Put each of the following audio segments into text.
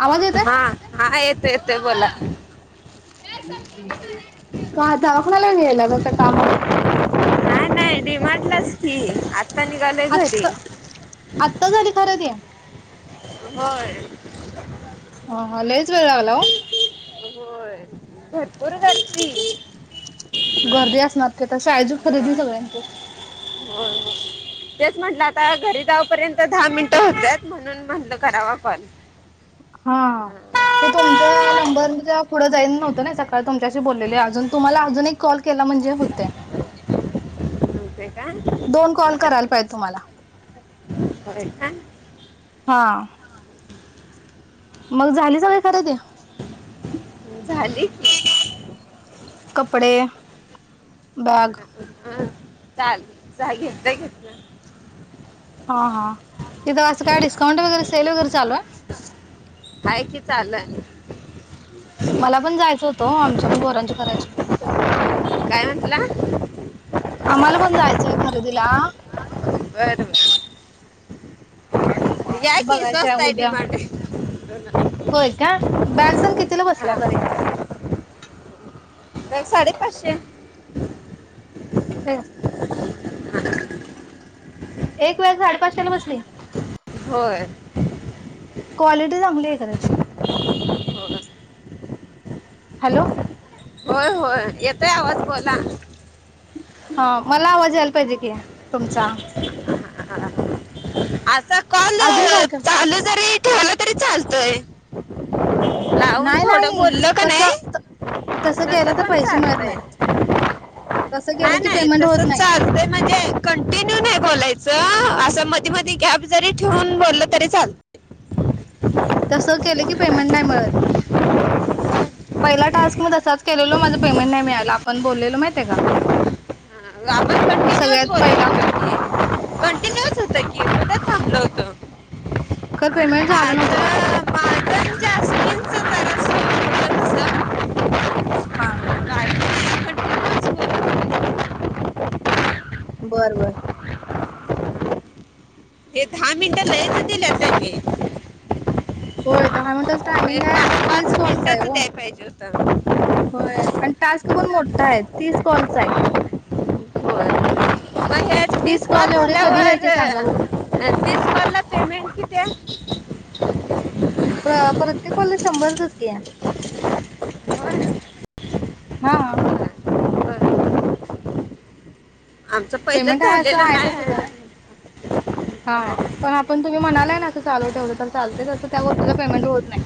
आवाज येतोय? हा हा येत येत बोला [inaudible] डीमार्टलाचकी की आता निघालोय घरी आत्ता आत्ता झाली खरं ते. होय हा हा लयच वेळ लागला ओ.. होय, भरपूर गर्दी गर्दी असणार की, आता शाळेची खरेदी होय सगळ्यांचे. होय तेच म्हटलं आता घरी जाऊपर्यंत दहा मिनटं होत्यात, म्हणून म्हटल कराव कॉल हा ते तुमचा नंबर पुढ जाईल सकाळ तुमच्याशी बोलले, अजून तुम्हाला अजून एक कॉल केला म्हणजे होतंय. होते का दोन कॉल बर करायला पाहिजे तुम्हाला होय का [unintelligible] हा. मग झाली सगळी खरेदी? झाली. कपडे बॅग ह हा चाल च्यात घेत ना [unintelligible] हा हा तिथं असं काय, डिस्काउंट वगैरे सेल वगैरे चालूलाय हाय कि चालू हाय! मला पण जायचं होतं, आमच्या पण पोराचे करायचे काय म्हटला? आम्हाला पण जायचंय खरेदीला. बर, बर याकीे बघायचंय स्वस्त आहे डी उद्या मार्ट होय का बॅगसण कितीला बसल्या दरीत हा [unintelligible] साडे पाचशे [unintelligible] हम. एक बॅग साडेपाचशे बसली. बर.. क्वालिटी चांगली आहे का त्याची? ह [unintelligible] हॅलो! होय, होय, येतोय आवाज बोला हा मला आवाज यायला पाहिजे कि, तुमचा आता अजून काय, काय खेलं तरी चालतय [unintelligible] लावून नाही थोडं नाही बोल का तस नाही, तसं तस केलं तर पण पैसे मिळत चालतय. नाहीत तसं नाही, केलं की नाही, पेमेंट तस होत नाही चालत म्हणजे, कंटिन्यू नाही बोलायचं. अस मधी, मधी, गॅप जरी ठेवून बोलल तरी चाल तस केलं की पेमेंट नाही मिळत. पहिला टास्क मी तसाच केलेलं, माझं पेमेंट नाही मिळाला आपण बोललेलो माहित आहे का? हा, आपण कंटिन्यूच सगळ्यात बोलत पहिला होतो की कुठं फाटलं होतं. खर, पेमेंट झालं नव्हतं माझं त्याच. माझं जास्मिनचं जरासं होतं तसं हा. हे बर, बर. दहा मिनट लईच दिल्यात त्यांनी. होय दहा मिनटच होय पाच, पाच, मिनिटाच द्याय पाहिजे होत. होय आणि टास्क पण मोठा हाय. तीस कॉलचा हाय. होय मग हे तीस कॉल एवढे कधी झाल्यावर व्हायचे सांगा बघू. अं, तीस कॉल ला पेमेंट किती हाय? प्रत्येक कॉलेज शंभरचच की. बरं. हा. आमचं पेमेंट पहिलंच आहे असं झालेलं आहे तसंच आहे नाय. हा पण आता पण तुम्ही म्हणालाय नां चालू ठेवलं तर चालतय तस त्या गोष्टीला पेमेंट होत नाय.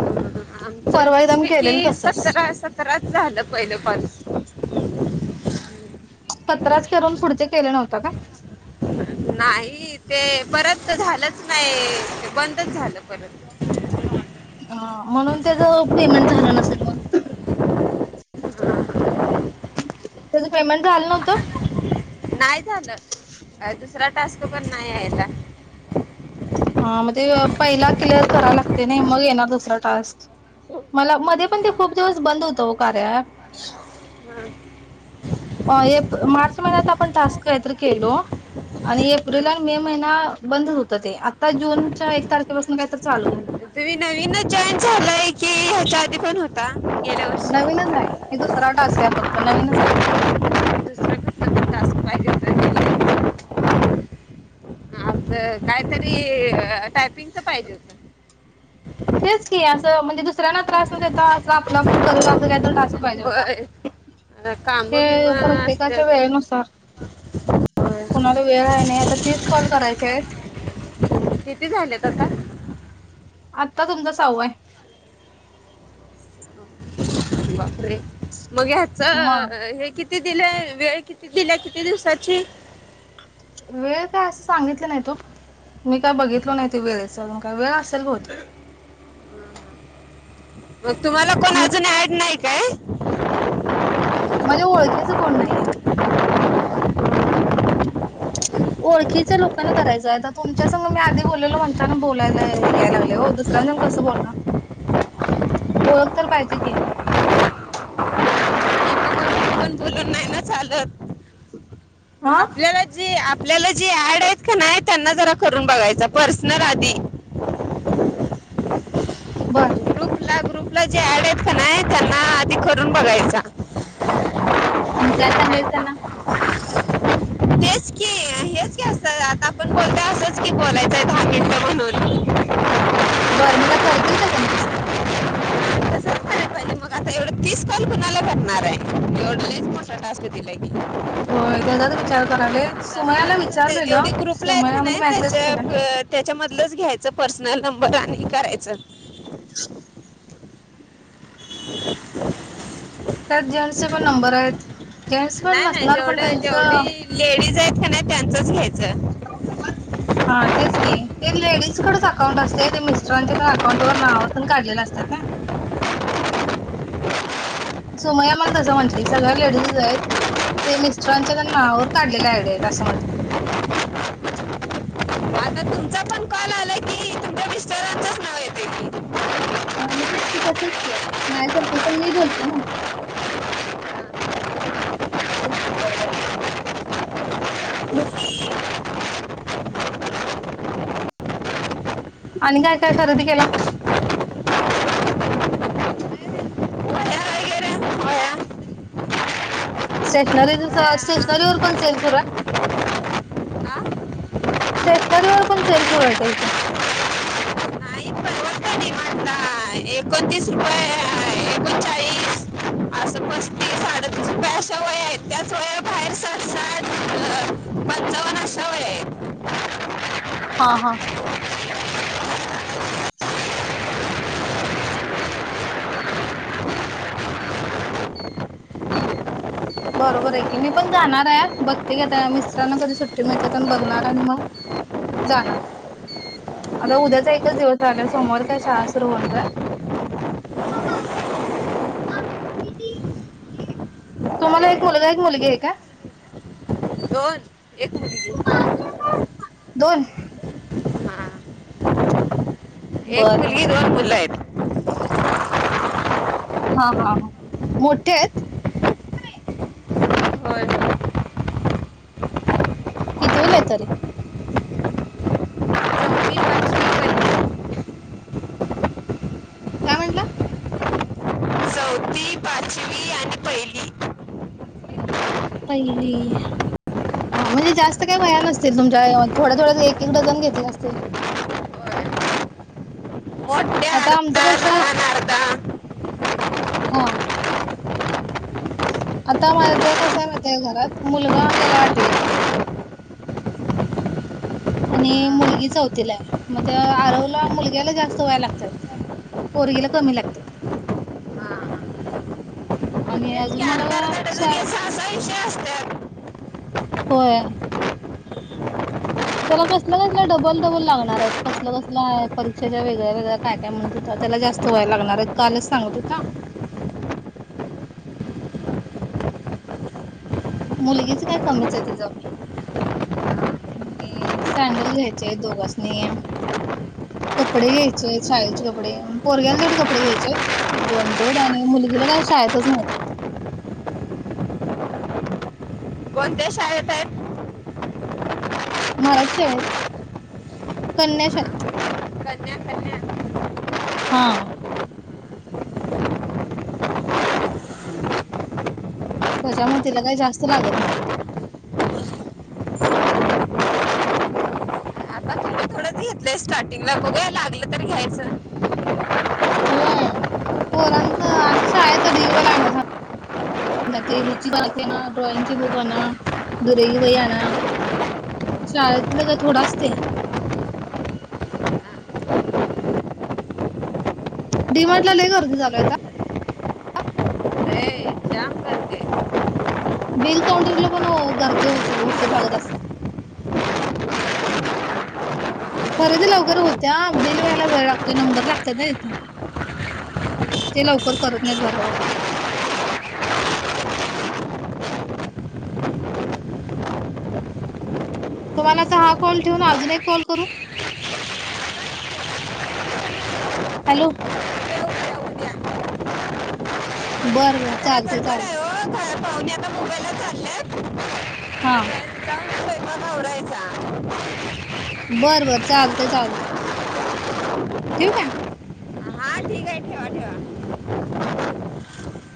[unintelligible] आमचं वीस पैकी सतरा सतराच झालं पहिलं कॉल. सतराच करून पुढचे केले नव्हता काय? नाही ते परत झालंच नाई बंदच झालं परत. हा म्हणून त्याच पेमेंट झालं नसेल मग. त्याच पेमेंट झालं नव्हतं? नाही झालं अं, दुसरा टास्क पण नाही आहे आता. हा म्हणजे पहिला क्लिअर कराय लागतय नाही मग येणार दुसरा टास्क. मला मध्ये पण ते खूप दिवस बंद होत कार्या अँप हा. अ एप मार्च महिन्यात आपण टास्क काहीतर केलो. आणि एप्रिल हा. आणि मे महिना बंदच होत. ते आता जूनच्या एक तारखेपासून काय तर चालू झालय. तुम्ही नवीनच जॉईन झालाय की ह्याच्या आधी पण होता? गेल्या वर्षी नवीनच हाय हे दुसरा टास्क हाय फक्त नवीनच हाय. दुसरा कसला पण टास्क पाहिजे होता त्याला. आमच कायतरी टायपिंगच पाहिजे होत. तेच की असं. म्हणजे दुसऱ्यांना त्रास न देता अस आपलं आपण करत अस काय तर टास्क पाहिजे होता. होय. काम हे बिम असतात प्रत्येकाच्या वेळेनुसार होय. कोणाला वेळ हाय. नाई आता तेच कॉल करायचे हाईत. किती झालेत आता? आता तुमचा साहावा हाय. बापरे मग ह्याच मग हे किती दिलय वेळ किती दिल्या किती दिवसाची? वेळ काय असं सांगितलं नाहीत ओ. मी काय बघितलो नाही ते वेळेच काय वेळ असेल बहुतेक. मग तुम्हाला कोण अजून ऍड नाई काय? माझ्या ओळखीच कोण नाही आहेत. [unintelligible] ओळखीच्या लोकांना करायचंय आता तुमच्या संग मी आधी बोल्लेलो म्हणताना बोलायला याय लागलय हो. दुसऱ्यां संग कस बोलणार ओळख तर पाहिजे की. इथं [unintelligible] कोण- कोण बोलून नाही ना चालत. हा आपल्याला जे आप आपल्याला जे ऍड हायत कनाय त्यांना जरा करून बघायच पर्सनल आधी. बर. आपला जे ऍड आहेत का नाही त्यांना आधी करून बघायचा. आणि काय सांगायच त्यांना तेच की हेच की अस आता आपण बोलतोय असंच की बोलायचंय दहा मिनट म्हणून बरं मग त्या करतील का त्यांनी तसं एवढ तीस कॉल कुणाला करणार आहे. एवढ लईच मोठा टास्क दिलाय की, होय. त्याचात विचार करालोय. सुमयाला तसंच ते विचारलेलं जेवढी ग्रुपला सुमया म्हणजे मेसेज केला. त्यातलंच घ्यायचं पर्सनल नंबर आणि करायचं. त्यात जेंट्स पण नंबर आहेत. जेंट्स पण नाही नाही नसणार पण जेवढं जेवढी त्यांचं लेडीज आहेत का नाही त्यांचंच घ्यायचं. वा हा तेच की ते लेडीज कडेच अकाउंट असते ते मिस्टरांच्या त्या अकाउंट वर नाव तेन काढलेलं. का सुमय्या मला तसं म्हटलं सगळ्या लेडीज आहेत. ते मिस्टरांच्या त्यां नावरवर काढलेले आयडिया आहेत असं म्हंटले. आता तुमचा पण कॉल आला की तुमच्या मिस्टरांचंच नाव येते की हा मग तेच कि तसच की माझ्यासारखं पण मी बोलते ना! असच बरोबर. [inaudible] आणि काय काय खरेदी केला. [inaudible] वया वगैरे वया स्टेशनरी सगळं वया स्टेशनरी वर पण सेल सुरू आहे. आ? स्टेशनरी वर पण सेल्स सुरू आहे का तिथं. नाही परवडतं डिमांडला एकोणतीस रुपये एकोणचाळीस असं पस्तीस अडतीस रुपये अशा वया आहेत त्याच वया बाहेर साठ साठ अ, पंचावन्न अशा वया आहेत हा हा. बरोबर आहे की, मी पण जाणार आहे बघते घता मिस्त्रांना कधी सुट्टी मिळते आणि बघणार आणि मग जाणार. आता उद्याचा एकच दिवस राहिलाय सोमवार काय शाळा सुरू होणार आहे. [unintelligible] तुम्हाला एक बापरे. मुलगा एक मुलगी आहे काय? दोन. एक मुलगी दोन हा एक बर बर मुलगी दोन मुलं आहेत. हा हा मोठे आहेत. होय कितवीला आहेत तरी? चौथी पाचवी पहिली काय म्हटला. चौथी पाचवी आणि पहिली पहिली हा म्हणजे जास्त काय वह्या नसतील तुमच्या थोड्या थोड्या एक एक डझन घेतला असतील. [inaudible] होय. मोठ्या आता आमचं अर्धा कस आहे, लहान अर्धा हा आता माझ्या ज कस आहे मातय घरात मुलगा गेला आठवीला. [inaudible] हा, आणि मुलगी चौतीलाय मग त्या आरवला मुलग्याला जास्त वह्या लागतात. पोरगीला कमी लागते. हा. मग आणि तेच की अजून अर्धा अर्धा डझन मलाक्षा या सहा सहा विषय असतात होय. त्याला कसलं कसलं डबल डबल लागणार आहेत, कसलं कसलं आहे परीक्षेच्या वेगळ्या वेगळ्या काय काय म्हणत होतात. त्याला जास्त वय लागणार आहेत कालच सांगत होता. मुलगीच काय कमीच आहे तिज आणि सँडल घ्यायचे आहे दोघांनी. कपडे घ्यायचे शाळेचे कपडे पोरग्याला तेवढे कपडे घ्यायचे दोन जोड आणि मुलगीला काय शाळा च मा [inaudible] कोणत्या शाळेत आहेत. मराठी शाळेत, कन्या शाळेत‌ कन्या कन्या हा त्याच्यामुळ तिला काही जास्त लागत नाही. आता तुम्ही थोडंच स्टार्टिंगला बघाला लागलं तरी घ्यायचं. होय पोरांचं आणि शाळेचं ढीगभर [unintelligible] आणायचं. ते [inaudible] हची ना ड्रॉइंग बुक आण दुरेगबाई आण शाळेतलं काय थोडा असतय. डीमार्ट लाय गर्दी झालया [inaudible] आता ए, जाम करते बिल साउंडरला पण गर्दी होय असल उशीर लागत असेल. खरेदी लवकर होत्या बिल व्हायला वेळ लागतोय नंबर लागत ना तिथ, ते लवकर करत नाहीत भराभर. तुम्हाला हा कॉल ठेवून अजून एक कॉल करू. हॅलो, उद्या, उद्या, उद्या. बरं बर, जरा चालतंय गडबड आहे चालतंय. हो काय पाहुणे आता मुंबईला चालल्यात हा, जाऊन स्वयंपाक आवरायचा बरं बरं, चालतंय चालतंय. ठेवू काय? हा ठीक आहे ठेवा ठेवा